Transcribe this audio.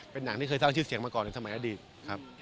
เป็นหนังที่เคยสร้างชื่อเสียงมาก่อนในสมัยอดีตครับ